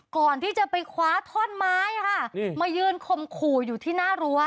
ก่อนที่จะไปคว้าท่อนไม้ค่ะมายืนคมขู่อยู่ที่หน้ารั้ว